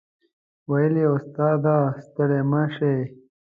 وې ویل استاد ه ستړی مه شې.